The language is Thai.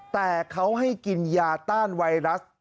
แต่เขาให้กินยาต้านไวรัส